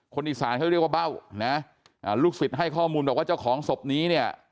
คนอีสานเขาเรียกว่าเบ้านะลูกศิษย์ให้ข้อมูลบอกว่าเจ้าของศพนี้เนี่ย